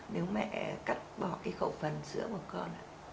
nếu mẹ cắt bỏ cái khẩu phần sữa của con